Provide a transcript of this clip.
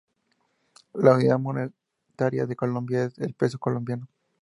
La unidad monetaria de Colombia es el peso colombiano.